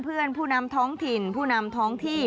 เพื่อนผู้นำท้องถิ่นผู้นำท้องที่